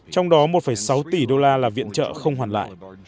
trong đó một sáu tỷ đô la là viện trợ không hoàn lại